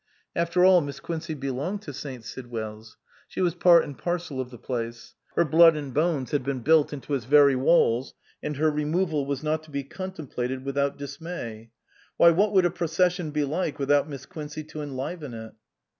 After all, Miss Quincey belonged to St. Sidwell's ; she was part and parcel of the place ; her blood and bones had been built into its very walls, and her removal was not to be contemplated without 318 MISS QUINCEY STANDS BACK dismay. Why, what would a procession be like without Miss Quincey to enliven it?